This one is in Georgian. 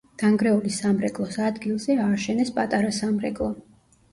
დანგრეული სამრეკლოს ადგილზე ააშენეს პატარა სამრეკლო.